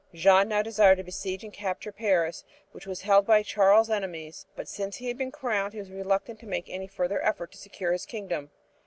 Jeanne now desired to besiege and capture Paris which was held by Charles' enemies, but since he had been crowned he was reluctant to make any further effort to secure his kingdom.